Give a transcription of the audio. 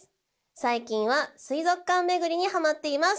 最近は水族館巡りにはまっています。